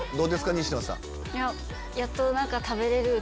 西野さん。